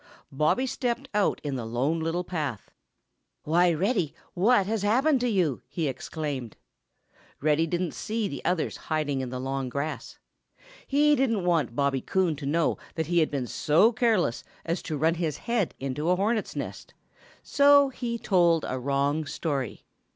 Bobby stepped out in the Lone Little Path. "Why, Reddy Fox, what has happened to you?" he exclaimed. Reddy didn't see the others hiding in the long grass. He didn't want Bobby Coon to know that he had been so careless as to run his head into a hornets' nest, so he told a wrong story.